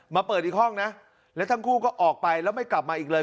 มาเปิดอีกห้องนะแล้วทั้งคู่ก็ออกไปแล้วไม่กลับมาอีกเลย